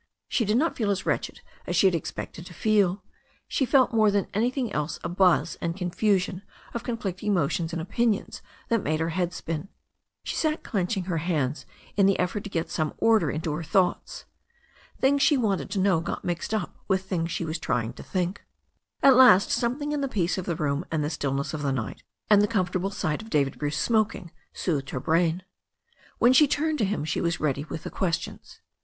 She did not feel as wretched as she had expected to feel. She felt more than anything else a buzz and confusion of conflicting emotions and opinions that made her head spia She sat clenching her hands in the effort to get some order into her thoughts. Things she wanted to know got mixed up with things she was trying to think. At last something in the peace of the room and the still ness of the night, and the comfortable sight of David Bruce smoking soothed her brain. When she turned to him she was ready with the questions.